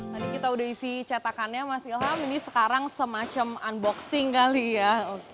tadi kita sudah isi cetakannya mas ilham ini sekarang semacam unboxing kali ya